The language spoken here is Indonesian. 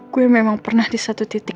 gue memang pernah di satu titik